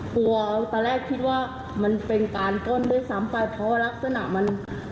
ตอนแรกคิดว่ามันเป็นการป้นด้วยซ้ำไปเพราะว่ารักษณะมัน